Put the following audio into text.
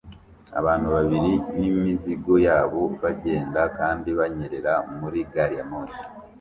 Abantu babiri n'imizigo yabo bagenda kandi banyerera muri gari ya moshi